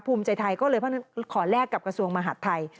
ภูมิใจไทยก็เลยเพราะฉะนั้นขอแลกกับกระทรวงมหาดไทย